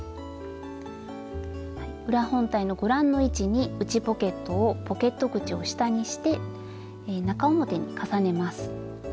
裏本体のご覧の位置に内ポケットをポケット口を下にして中表に重ねます。